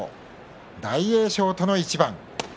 大栄翔との一番。